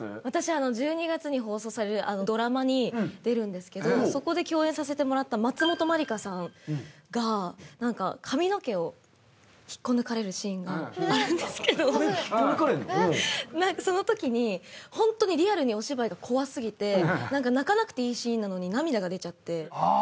私１２月に放送されるドラマに出るんですけどそこで共演させてもらった松本まりかさんが髪の毛を引っこ抜かれるシーンがあるんですけどそのときにホントにリアルにお芝居が怖すぎて泣かなくていいシーンなのに涙が出ちゃって。